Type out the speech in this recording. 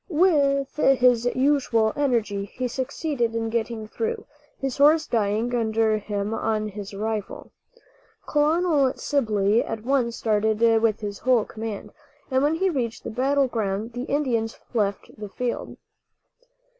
With his usual energy he succeeded in getting through, his horse dying under him on his arrival. Colonel Sibley at once started with his whole command, and when he reached the battle ground the Indians left the field.